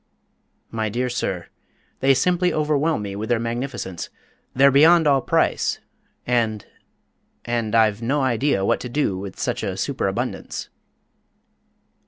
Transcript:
"My dear sir, they simply overwhelm me with their magnificence! They're beyond all price, and and I've no idea what to do with such a superabundance."